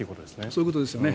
そういうことですね。